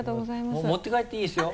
もう持って帰っていいですよ？